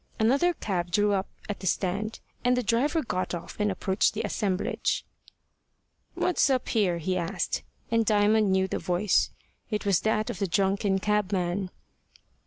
Another cab drew up at the stand, and the driver got off and approached the assemblage. "What's up here?" he asked, and Diamond knew the voice. It was that of the drunken cabman.